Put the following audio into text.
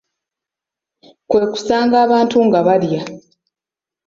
Kwe kusanga abantu nga balya.